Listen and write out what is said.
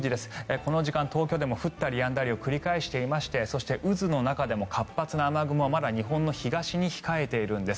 この時間、東京でも降ったりやんだりを繰り返していましてそして、渦の中でも活発な雨雲がまだ日本の東に控えているんです。